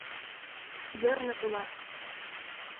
Йырнык улат!